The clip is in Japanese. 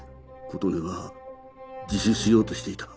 琴音は自首しようとしていた。